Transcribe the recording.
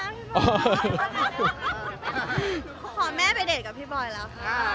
ขอแม่ไปเดทกับพี่บอยแล้วค่ะ